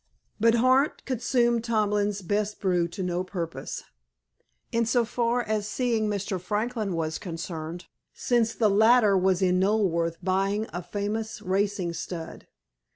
But Hart consumed Tomlin's best brew to no purpose—in so far as seeing Mr. Franklin was concerned, since the latter was in Knoleworth, buying a famous racing stud.